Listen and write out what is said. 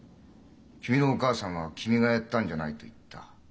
君のお母さんは「君がやったんじゃない」と言った。